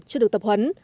chưa được tập huấn